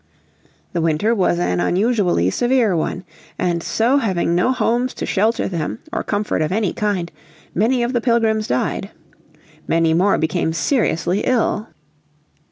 The winter was an unusually severe one. And so, having no homes to shelter them or comfort of any kind, many of the Pilgrims died. Many more became seriously ill.